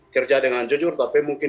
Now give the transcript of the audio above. kerja dengan jujur tapi mungkin